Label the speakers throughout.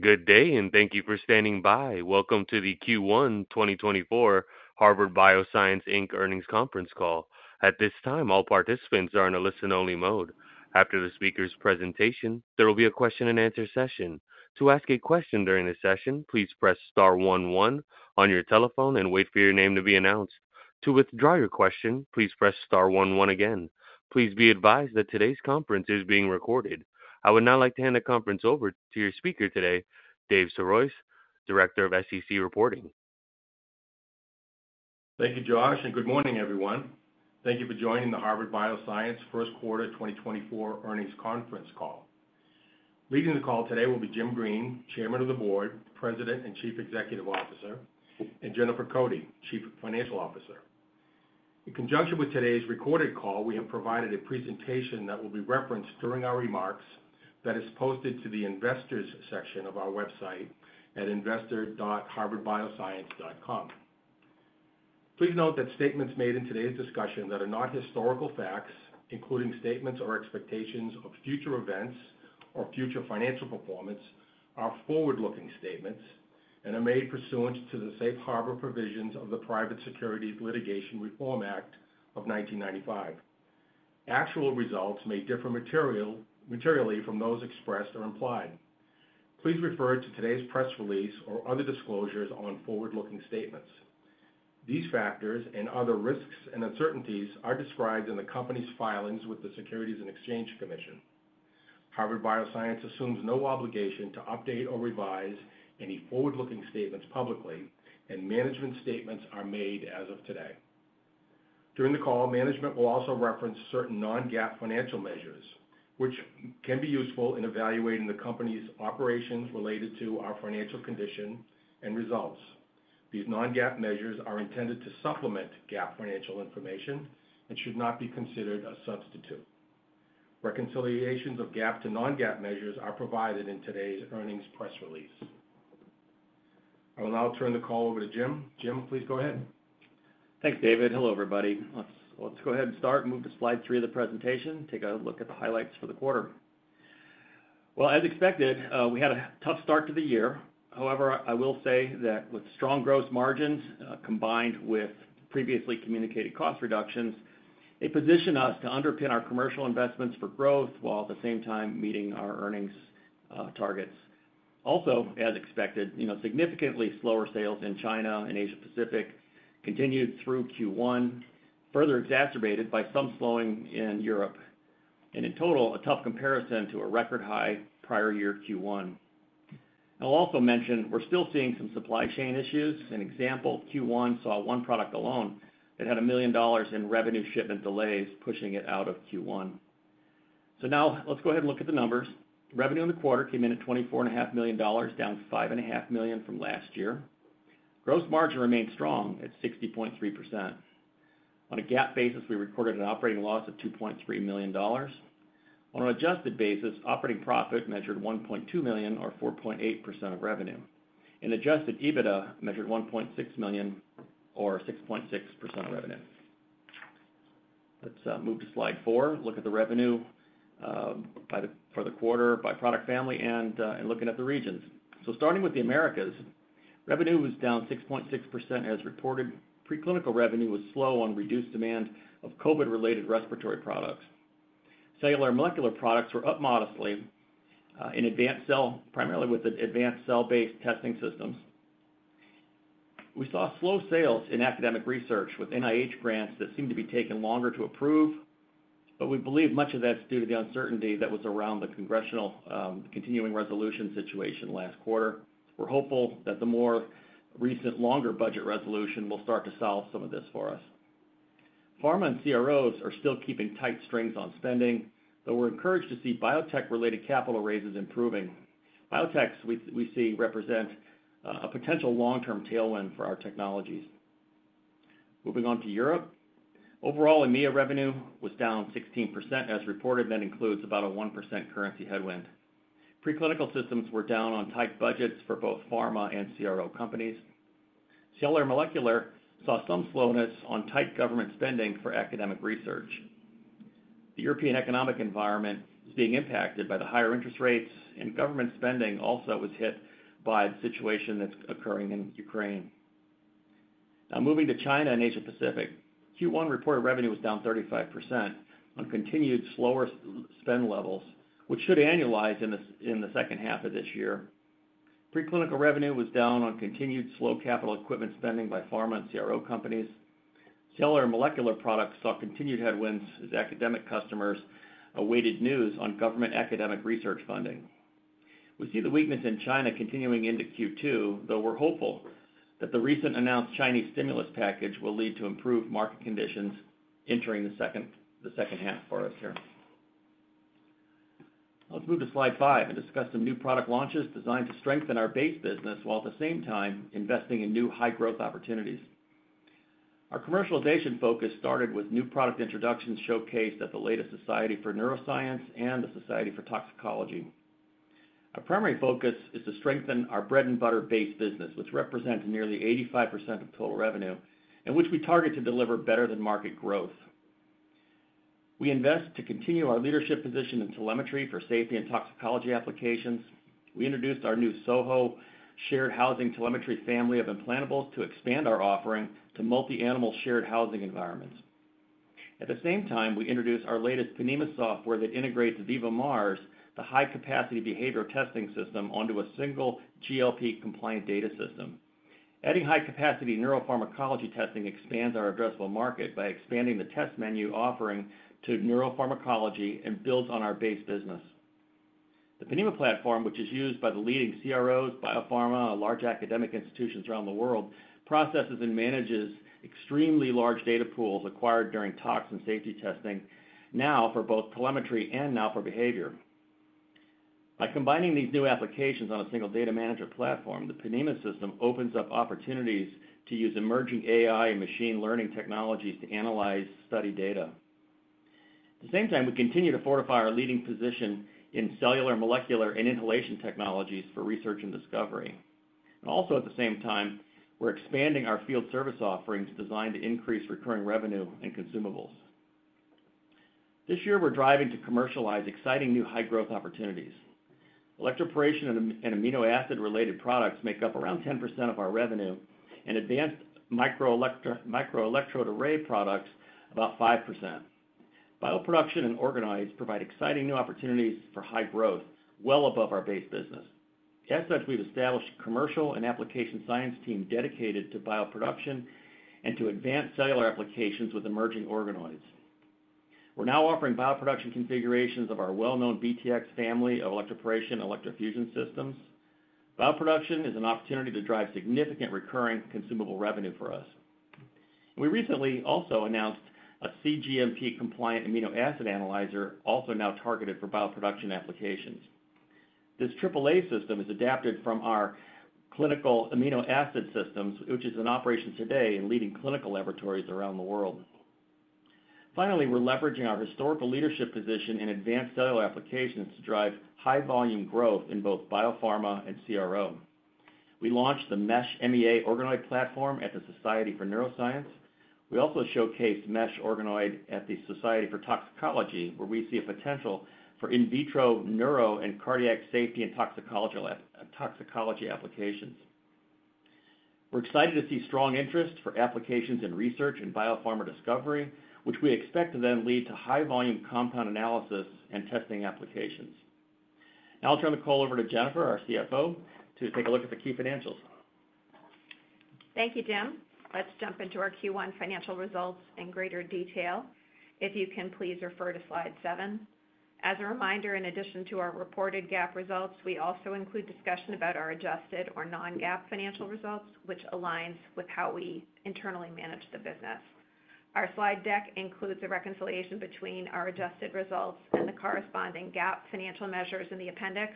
Speaker 1: Good day, and thank you for standing by. Welcome to the Q1 2024 Harvard Bioscience Inc earnings conference call. At this time, all participants are in a listen-only mode. After the speaker's presentation, there will be a question-and-answer session. To ask a question during the session, please press star one one on your telephone and wait for your name to be announced. To withdraw your question, please press star one one again. Please be advised that today's conference is being recorded. I would now like to hand the conference over to your speaker today, Dave Sirois, Director of SEC Reporting.
Speaker 2: Thank you, Josh, and good morning, everyone. Thank you for joining the Harvard Bioscience first quarter 2024 earnings conference call. Leading the call today will be Jim Green, Chairman of the Board, President, and Chief Executive Officer, and Jennifer Cote, Chief Financial Officer. In conjunction with today's recorded call, we have provided a presentation that will be referenced during our remarks that is posted to the Investors section of our website at investor.harvardbioscience.com. Please note that statements made in today's discussion that are not historical facts, including statements or expectations of future events or future financial performance, are forward-looking statements and are made pursuant to the safe harbor provisions of the Private Securities Litigation Reform Act of 1995. Actual results may differ materially from those expressed or implied. Please refer to today's press release or other disclosures on forward-looking statements. These factors and other risks and uncertainties are described in the company's filings with the Securities and Exchange Commission. Harvard Bioscience assumes no obligation to update or revise any forward-looking statements publicly, and management statements are made as of today. During the call, management will also reference certain non-GAAP financial measures, which can be useful in evaluating the company's operations related to our financial condition and results. These non-GAAP measures are intended to supplement GAAP financial information and should not be considered a substitute. Reconciliations of GAAP to non-GAAP measures are provided in today's earnings press release. I will now turn the call over to Jim. Jim, please go ahead.
Speaker 3: Thanks, David. Hello, everybody. Let's go ahead and start and move to slide 3 of the presentation, take a look at the highlights for the quarter. Well, as expected, we had a tough start to the year. However, I will say that with strong gross margins, combined with previously communicated cost reductions, they position us to underpin our commercial investments for growth, while at the same time meeting our earnings targets. Also, as expected, you know, significantly slower sales in China and Asia Pacific continued through Q1, further exacerbated by some slowing in Europe, and in total, a tough comparison to a record high prior year Q1. I'll also mention we're still seeing some supply chain issues. An example, Q1 saw one product alone that had $1 million in revenue shipment delays, pushing it out of Q1. So now let's go ahead and look at the numbers. Revenue in the quarter came in at $24.5 million, down $5.5 million from last year. Gross margin remained strong at 60.3%. On a GAAP basis, we recorded an operating loss of $2.3 million. On an adjusted basis, operating profit measured $1.2 million, or 4.8% of revenue, and adjusted EBITDA measured $1.6 million, or 6.6% of revenue. Let's move to slide four, look at the revenue for the quarter by product family and looking at the regions. So starting with the Americas, revenue was down 6.6% as reported. Preclinical revenue was slow on reduced demand of COVID-related respiratory products. Cellular and molecular products were up modestly in advanced cell, primarily with the advanced cell-based testing systems. We saw slow sales in academic research with NIH grants that seemed to be taking longer to approve, but we believe much of that's due to the uncertainty that was around the congressional continuing resolution situation last quarter. We're hopeful that the more recent longer budget resolution will start to solve some of this for us. Pharma and CROs are still keeping tight strings on spending, though we're encouraged to see biotech-related capital raises improving. Biotechs, we, we see represent a potential long-term tailwind for our technologies. Moving on to Europe. Overall, EMEA revenue was down 16% as reported, that includes about a 1% currency headwind. Preclinical systems were down on tight budgets for both pharma and CRO companies. Cellular and Molecular saw some slowness on tight government spending for academic research. The European economic environment is being impacted by the higher interest rates, and government spending also was hit by the situation that's occurring in Ukraine. Now, moving to China and Asia Pacific, Q1 reported revenue was down 35% on continued slower spend levels, which should annualize in the second half of this year. Preclinical revenue was down on continued slow capital equipment spending by pharma and CRO companies. Cellular and Molecular products saw continued headwinds as academic customers awaited news on government academic research funding. We see the weakness in China continuing into Q2, though we're hopeful that the recent announced Chinese stimulus package will lead to improved market conditions entering the second half for us here. Let's move to slide five and discuss some new product launches designed to strengthen our base business, while at the same time investing in new high-growth opportunities. Our commercialization focus started with new product introductions showcased at the latest Society for Neuroscience and the Society of Toxicology. Our primary focus is to strengthen our bread-and-butter base business, which represents nearly 85% of total revenue and which we target to deliver better-than-market growth.... We invest to continue our leadership position in telemetry for safety and toxicology applications. We introduced our new SoHo shared housing telemetry family of implantables to expand our offering to multi-animal shared housing environments. At the same time, we introduced our latest Ponemah software that integrates VivaMARS, the high-capacity behavioral testing system, onto a single GLP-compliant data system. Adding high-capacity neuropharmacology testing expands our addressable market by expanding the test menu offering to neuropharmacology and builds on our base business. The Ponemah platform, which is used by the leading CROs, biopharma, and large academic institutions around the world, processes and manages extremely large data pools acquired during tox and safety testing, now for both telemetry and now for behavior. By combining these new applications on a single data manager platform, the Ponemah system opens up opportunities to use emerging AI and machine learning technologies to analyze study data. At the same time, we continue to fortify our leading position in cellular, molecular, and inhalation technologies for research and discovery. And also, at the same time, we're expanding our field service offerings designed to increase recurring revenue and consumables. This year, we're driving to commercialize exciting new high-growth opportunities. Electroporation and amino acid-related products make up around 10% of our revenue, and advanced microelectrode array products, about 5%. Bioproduction and organoids provide exciting new opportunities for high growth, well above our base business. As such, we've established a commercial and application science team dedicated to bioproduction and to advanced cellular applications with emerging organoids. We're now offering bioproduction configurations of our well-known BTX family of electroporation, electrofusion systems. Bioproduction is an opportunity to drive significant recurring consumable revenue for us. We recently also announced a cGMP-compliant amino acid analyzer, also now targeted for bioproduction applications. This AAA system is adapted from our clinical amino acid systems, which is in operation today in leading clinical laboratories around the world. Finally, we're leveraging our historical leadership position in advanced cellular applications to drive high-volume growth in both biopharma and CRO. We launched the MeshMEA organoid platform at the Society for Neuroscience. We also showcased Mesh Organoid at the Society of Toxicology, where we see a potential for in vitro neuro and cardiac safety and toxicology toxicology applications. We're excited to see strong interest for applications in research and biopharma discovery, which we expect to then lead to high-volume compound analysis and testing applications. Now I'll turn the call over to Jennifer, our CFO, to take a look at the key financials.
Speaker 4: Thank you, Jim. Let's jump into our Q1 financial results in greater detail. If you can, please refer to slide 7. As a reminder, in addition to our reported GAAP results, we also include discussion about our adjusted or non-GAAP financial results, which aligns with how we internally manage the business. Our slide deck includes a reconciliation between our adjusted results and the corresponding GAAP financial measures in the appendix.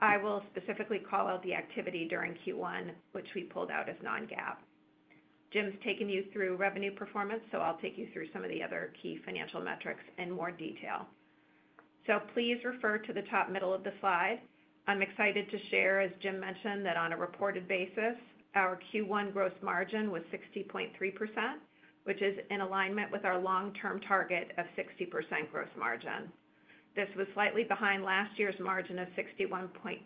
Speaker 4: I will specifically call out the activity during Q1, which we pulled out as non-GAAP. Jim's taken you through revenue performance, so I'll take you through some of the other key financial metrics in more detail. So please refer to the top middle of the slide. I'm excited to share, as Jim mentioned, that on a reported basis, our Q1 gross margin was 60.3%, which is in alignment with our long-term target of 60% gross margin. This was slightly behind last year's margin of 61.2%,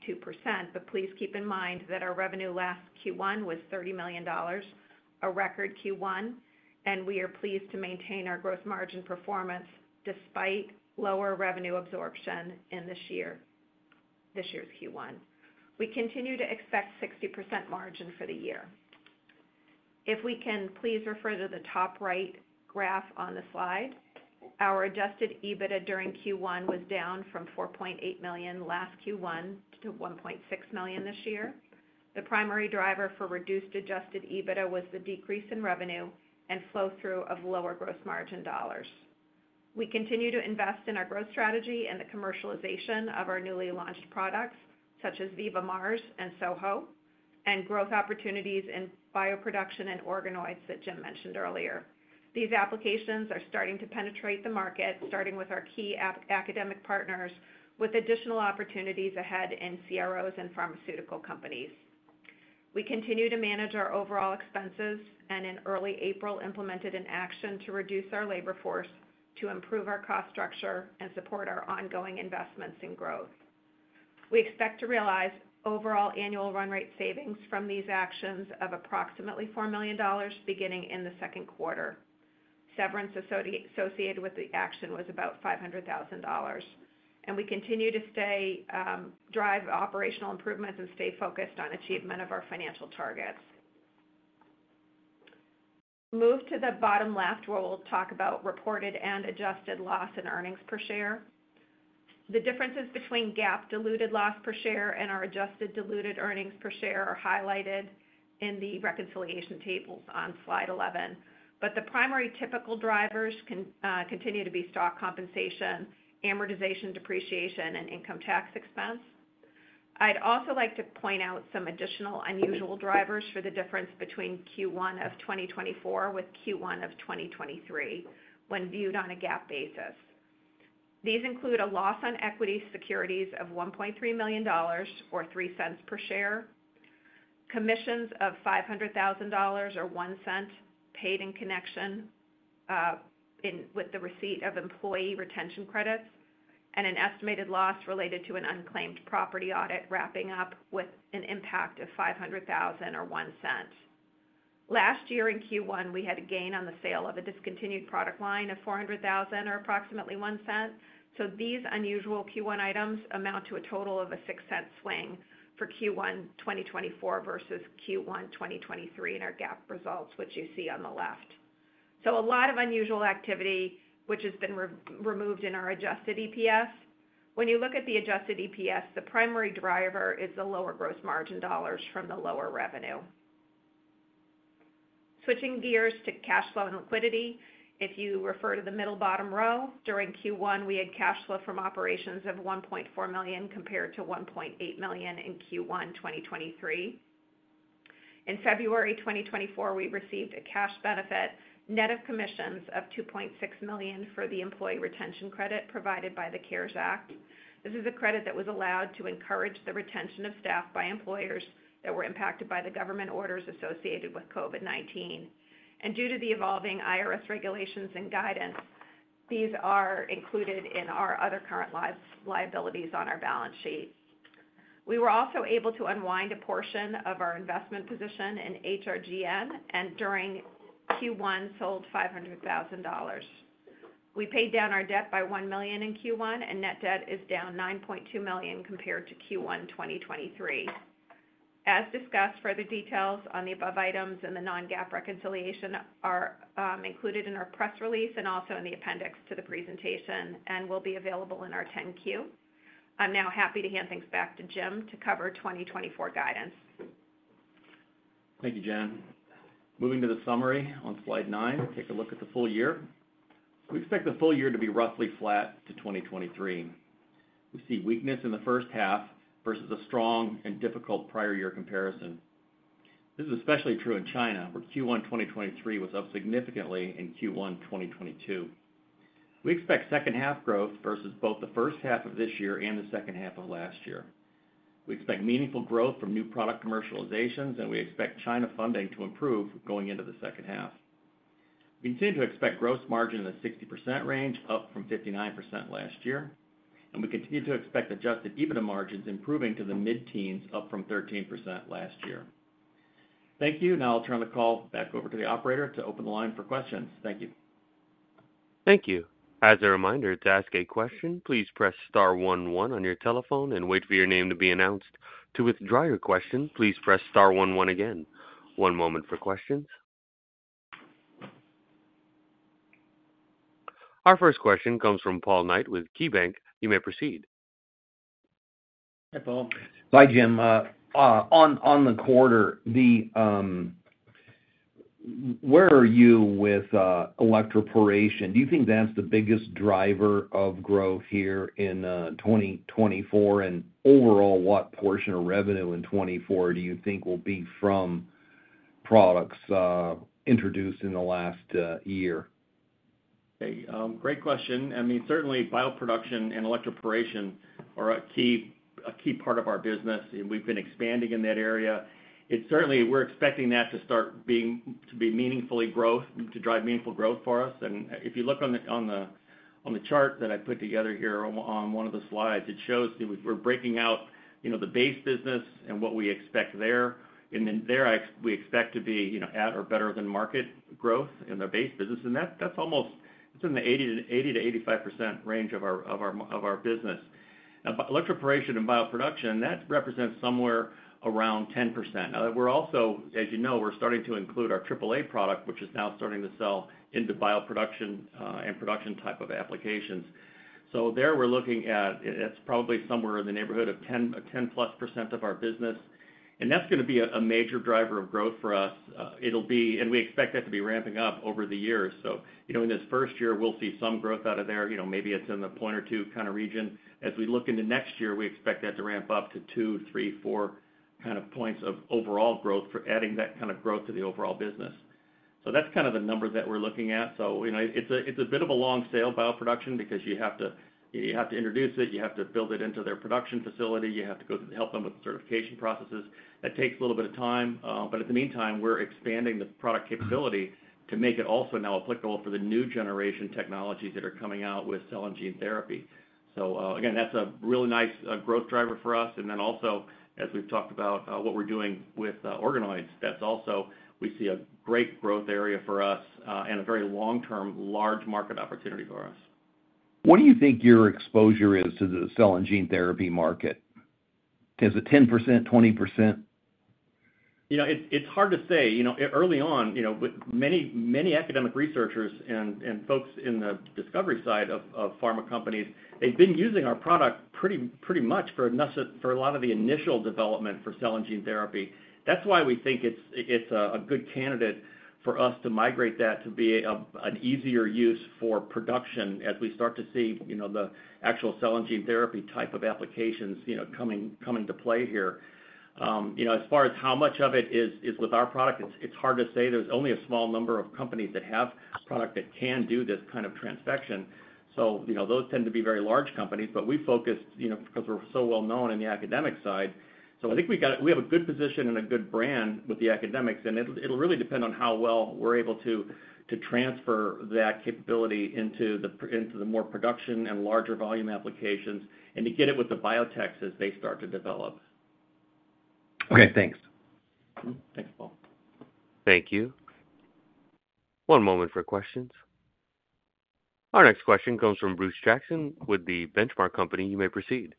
Speaker 4: but please keep in mind that our revenue last Q1 was $30 million, a record Q1, and we are pleased to maintain our gross margin performance despite lower revenue absorption in this year, this year's Q1. We continue to expect 60% margin for the year. If we can, please refer to the top right graph on the slide. Our adjusted EBITDA during Q1 was down from $4.8 million last Q1 to $1.6 million this year. The primary driver for reduced adjusted EBITDA was the decrease in revenue and flow-through of lower gross margin dollars. We continue to invest in our growth strategy and the commercialization of our newly launched products, such as VivaMARS and SoHo, and growth opportunities in bioproduction and organoids that Jim mentioned earlier. These applications are starting to penetrate the market, starting with our key academic partners, with additional opportunities ahead in CROs and pharmaceutical companies. We continue to manage our overall expenses and, in early April, implemented an action to reduce our labor force, to improve our cost structure and support our ongoing investments in growth. We expect to realize overall annual run rate savings from these actions of approximately $4 million, beginning in the second quarter. Severance associated with the action was about $500,000, and we continue to drive operational improvements and stay focused on achievement of our financial targets. Move to the bottom left, where we'll talk about reported and adjusted loss and earnings per share. The differences between GAAP diluted loss per share and our adjusted diluted earnings per share are highlighted in the reconciliation tables on slide 11, but the primary typical drivers continue to be stock compensation, amortization, depreciation, and income tax expense. I'd also like to point out some additional unusual drivers for the difference between Q1 of 2024 with Q1 of 2023, when viewed on a GAAP basis. These include a loss on equity securities of $1.3 million, or $0.03 per share, commissions of $500,000 or $0.01 paid in connection with the receipt of employee retention credits and an estimated loss related to an unclaimed property audit, wrapping up with an impact of $500,000 or $0.01. Last year, in Q1, we had a gain on the sale of a discontinued product line of $400,000 or approximately $0.01. So these unusual Q1 items amount to a total of a $0.06 swing for Q1 2024 versus Q1 2023 in our GAAP results, which you see on the left. So a lot of unusual activity, which has been removed in our adjusted EPS. When you look at the adjusted EPS, the primary driver is the lower gross margin dollars from the lower revenue. Switching gears to cash flow and liquidity. If you refer to the middle bottom row, during Q1, we had cash flow from operations of $1.4 million, compared to $1.8 million in Q1 2023. In February 2024, we received a cash benefit net of commissions of $2.6 million for the employee retention credit provided by the CARES Act. This is a credit that was allowed to encourage the retention of staff by employers that were impacted by the government orders associated with COVID-19. And due to the evolving IRS regulations and guidance, these are included in our other current liabilities on our balance sheet. We were also able to unwind a portion of our investment position in HRGN, and during Q1, sold $500,000. We paid down our debt by $1 million in Q1, and net debt is down $9.2 million compared to Q1 2023. As discussed, further details on the above items and the non-GAAP reconciliation are included in our press release and also in the appendix to the presentation, and will be available in our 10-Q. I'm now happy to hand things back to Jim to cover 2024 guidance.
Speaker 3: Thank you, Jen. Moving to the summary on slide 9, take a look at the full year. We expect the full year to be roughly flat to 2023. We see weakness in the first half versus a strong and difficult prior year comparison. This is especially true in China, where Q1 2023 was up significantly in Q1 2022. We expect second half growth versus both the first half of this year and the second half of last year. We expect meaningful growth from new product commercializations, and we expect China funding to improve going into the second half. We continue to expect gross margin in the 60% range, up from 59% last year, and we continue to expect adjusted EBITDA margins improving to the mid-teens, up from 13% last year. Thank you. Now I'll turn the call back over to the operator to open the line for questions. Thank you.
Speaker 1: Thank you. As a reminder, to ask a question, please press star one one on your telephone and wait for your name to be announced. To withdraw your question, please press star one one again. One moment for questions. Our first question comes from Paul Knight with KeyBanc. You may proceed.
Speaker 3: Hi, Paul.
Speaker 5: Hi, Jim. On the quarter, where are you with electroporation? Do you think that's the biggest driver of growth here in 2024? And overall, what portion of revenue in 2024 do you think will be from products introduced in the last year?
Speaker 3: Hey, great question. I mean, certainly bioproduction and electroporation are a key, a key part of our business, and we've been expanding in that area. It's certainly, we're expecting that to start being, to be meaningfully growth, to drive meaningful growth for us. And if you look on the chart that I put together here on one of the slides, it shows we're breaking out, you know, the base business and what we expect there. And then there, we expect to be, you know, at or better than market growth in the base business, and that's almost, it's in the 80%-85% range of our business. Now, electroporation and bioproduction, that represents somewhere around 10%. Now, we're also, as you know, we're starting to include our AAA product, which is now starting to sell into bioproduction, and production type of applications. So there we're looking at, it's probably somewhere in the neighborhood of 10, 10+% of our business, and that's gonna be a major driver of growth for us. It'll be... And we expect that to be ramping up over the years. So, you know, in this first year, we'll see some growth out of there, you know, maybe it's in the point or two kind of region. As we look into next year, we expect that to ramp up to 2, 3, 4 kind of points of overall growth for adding that kind of growth to the overall business. So that's kind of the number that we're looking at. So, you know, it's a, it's a bit of a long sale, Bioproduction, because you have to, you have to introduce it, you have to build it into their production facility, you have to go help them with the certification processes. That takes a little bit of time, but in the meantime, we're expanding the product capability to make it also now applicable for the new generation technologies that are coming out with cell and gene therapy. So, again, that's a really nice, growth driver for us. And then also, as we've talked about, what we're doing with, organoids, that's also, we see a great growth area for us, and a very long-term, large market opportunity for us.
Speaker 6: What do you think your exposure is to the cell and gene therapy market? Is it 10%, 20%? You know, it's hard to say. You know, early on, you know, with many academic researchers and folks in the discovery side of pharma companies, they've been using our product pretty much for a lot of the initial development for cell and gene therapy. That's why we think it's a good candidate for us to migrate that to be an easier use for production as we start to see, you know, the actual cell and gene therapy type of applications, you know, coming to play here. You know, as far as how much of it is with our product, it's hard to say. There's only a small number of companies that have product that can do this kind of transfection. So, you know, those tend to be very large companies, but we focused, you know, because we're so well known in the academic side. So I think we have a good position and a good brand with the academics, and it'll really depend on how well we're able to transfer that capability into the more production and larger volume applications, and to get it with the biotechs as they start to develop. ...
Speaker 5: Okay, thanks.
Speaker 3: Thanks, Paul.
Speaker 1: Thank you. One moment for questions. Our next question comes from Bruce Jackson with The Benchmark Company. You may proceed.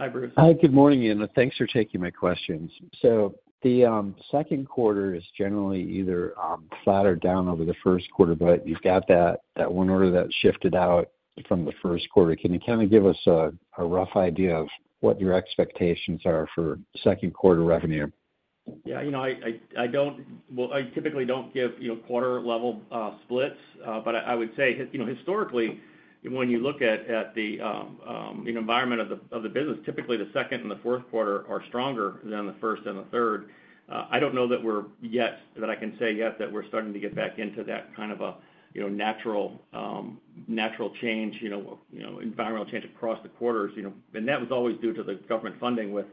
Speaker 3: Hi, Bruce.
Speaker 7: Hi, good morning, and thanks for taking my questions. So the Q2 is generally either flat or down over the Q1, but you've got that one order that shifted out from the Q1. Can you kind of give us a rough idea of what your expectations are for Q2 revenue?
Speaker 3: Yeah, you know, I don't—Well, I typically don't give, you know, quarter-level splits, but I would say, you know, historically, when you look at the environment of the business, typically the second and the Q4 are stronger than the first and the third. I don't know that we're yet that I can say yet that we're starting to get back into that kind of a natural change, you know, environmental change across the quarters, you know, and that was always due to the government funding with,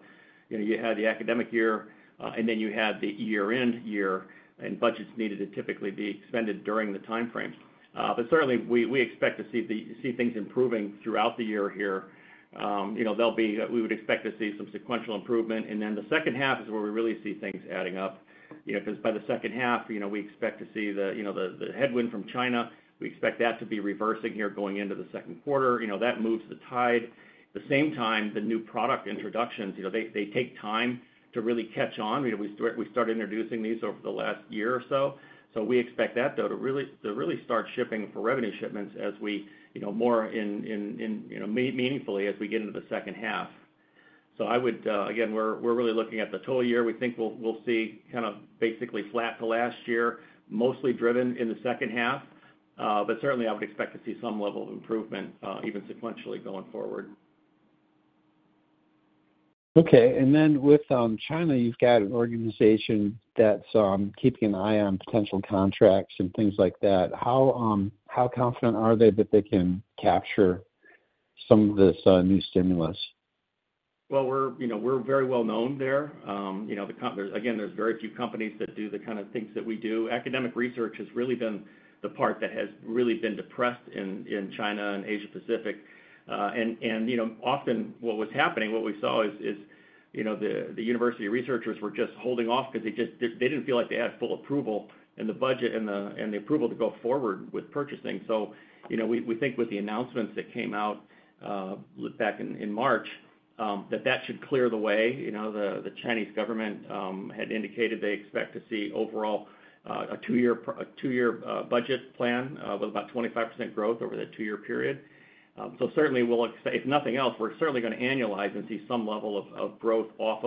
Speaker 3: you know, you had the academic year and then you had the year-end year, and budgets needed to typically be expended during the time frame. But certainly, we expect to see things improving throughout the year here. You know, there'll be, we would expect to see some sequential improvement, and then the second half is where we really see things adding up, you know, because by the second half, you know, we expect to see the headwind from China, we expect that to be reversing here going into the Q2. You know, that moves the tide. The same time, the new product introductions, you know, they take time to really catch on. You know, we started introducing these over the last year or so. So we expect that, though, to really start shipping for revenue shipments as we, you know, more meaningfully as we get into the second half. So I would... Again, we're really looking at the total year. We think we'll see kind of basically flat to last year, mostly driven in the second half. But certainly I would expect to see some level of improvement, even sequentially going forward.
Speaker 6: Okay. And then with China, you've got an organization that's keeping an eye on potential contracts and things like that. How confident are they that they can capture some of this new stimulus? Well, we're, you know, we're very well known there. You know, again, there's very few companies that do the kind of things that we do. Academic research has really been the part that has really been depressed in China and Asia Pacific. And, you know, often what was happening, what we saw is, you know, the university researchers were just holding off because they just they didn't feel like they had full approval and the budget and the approval to go forward with purchasing. So, you know, we think with the announcements that came out back in March that that should clear the way. You know, the Chinese government had indicated they expect to see overall a 2-year budget plan with about 25% growth over the 2-year period. So certainly, we'll. If nothing else, we're certainly gonna annualize and see some level of growth off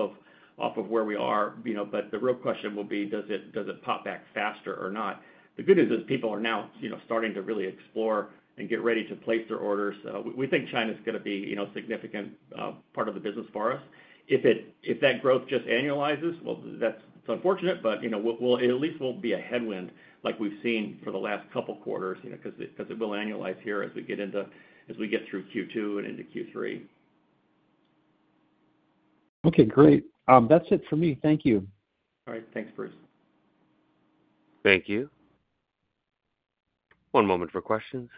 Speaker 6: of where we are, you know, but the real question will be, does it, does it pop back faster or not? The good news is people are now, you know, starting to really explore and get ready to place their orders. We think China's gonna be, you know, a significant part of the business for us. If that growth just annualizes, well, that's unfortunate, but, you know, we'll at least won't be a headwind like we've seen for the last couple quarters, you know, because it, because it will annualize here as we get through Q2 and into Q3.
Speaker 7: Okay, great. That's it for me. Thank you.
Speaker 3: All right. Thanks, Bruce.
Speaker 1: Thank you. One moment for questions.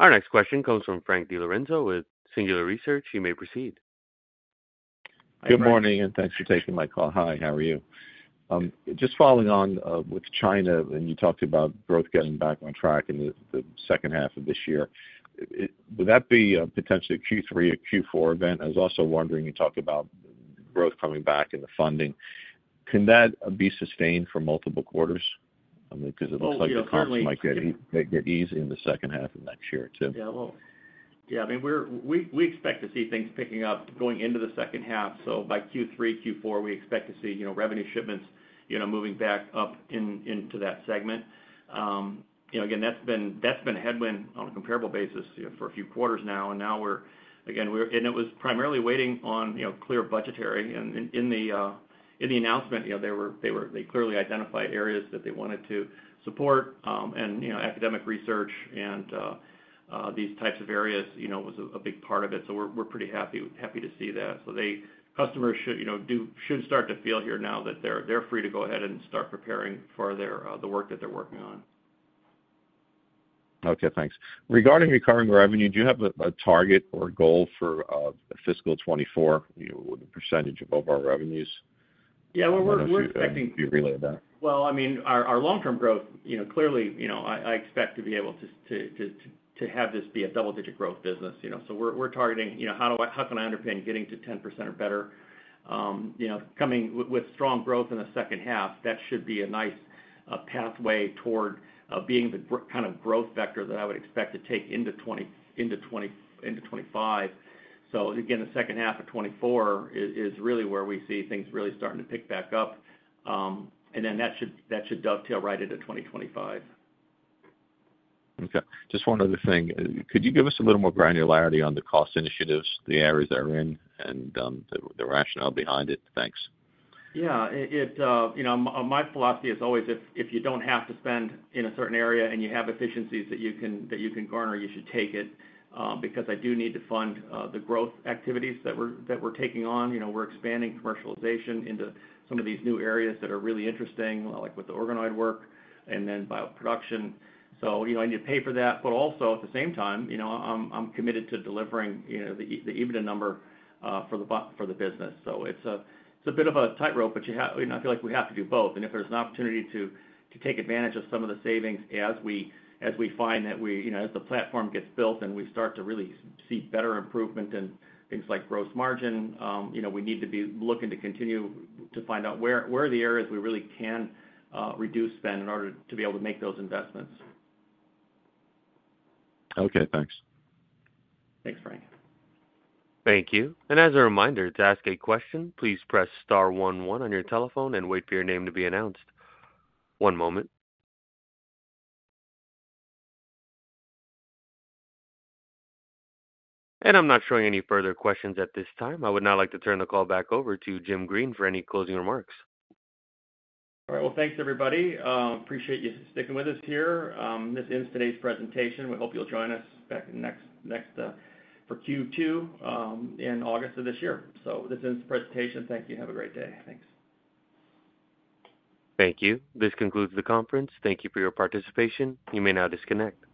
Speaker 1: Our next question comes from Frank DiLorenzo with Singular Research. You may proceed.
Speaker 8: Good morning, and thanks for taking my call. Hi, how are you? Just following on with China, and you talked about growth getting back on track in the second half of this year. Would that be potentially a Q3 or Q4 event? I was also wondering, you talked about growth coming back and the funding. Can that be sustained for multiple quarters? I mean, because it looks like-
Speaker 3: Well, you know, currently-
Speaker 8: It might get easy in the second half of next year, too.
Speaker 3: Yeah, well. Yeah, I mean, we're, we expect to see things picking up going into the second half. So by Q3, Q4, we expect to see, you know, revenue shipments, you know, moving back up in, into that segment. You know, again, that's been a headwind on a comparable basis, you know, for a few quarters now, and now we're. Again, we're. And it was primarily waiting on, you know, clear budgetary, and in the announcement, you know, they clearly identified areas that they wanted to support, and, you know, academic research and these types of areas, you know, was a big part of it. So we're pretty happy to see that. The customers should, you know, start to feel here now that they're free to go ahead and start preparing for their, the work that they're working on.
Speaker 8: Okay, thanks. Regarding recurring revenue, do you have a target or goal for fiscal 2024, you know, with the percentage of overall revenues?
Speaker 3: Yeah, we're expecting-
Speaker 8: Can you relay that?
Speaker 3: Well, I mean, our long-term growth, you know, clearly, you know, I expect to be able to to have this be a double-digit growth business, you know? So we're targeting, you know, how do I- how can I underpin getting to 10% or better? You know, coming with strong growth in the second half, that should be a nice pathway toward being the kind of growth vector that I would expect to take into 2025. So again, the second half of 2024 is really where we see things really starting to pick back up. And then that should dovetail right into 2025.
Speaker 8: Okay. Just one other thing. Could you give us a little more granularity on the cost initiatives, the areas they're in, and the rationale behind it? Thanks.
Speaker 3: Yeah, you know, my philosophy is always if you don't have to spend in a certain area and you have efficiencies that you can garner, you should take it, because I do need to fund the growth activities that we're taking on. You know, we're expanding commercialization into some of these new areas that are really interesting, like with the organoid work and then bioproduction. So, you know, I need to pay for that, but also, at the same time, you know, I'm committed to delivering the EBITDA number for the business. So it's a bit of a tightrope, but you know, I feel like we have to do both. If there's an opportunity to take advantage of some of the savings as we find that we... You know, as the platform gets built and we start to really see better improvement in things like gross margin, you know, we need to be looking to continue to find out where are the areas we really can reduce spend in order to be able to make those investments.
Speaker 8: Okay, thanks.
Speaker 3: Thanks, Frank.
Speaker 1: Thank you. And as a reminder, to ask a question, please press star *11 on your telephone and wait for your name to be announced. One moment. And I'm not showing any further questions at this time. I would now like to turn the call back over to Jim Green for any closing remarks.
Speaker 3: All right. Well, thanks, everybody. Appreciate you sticking with us here. This ends today's presentation. We hope you'll join us back next for Q2 in August of this year. So this ends the presentation. Thank you. Have a great day. Thanks.
Speaker 1: Thank you. This concludes the conference. Thank you for your participation. You may now disconnect.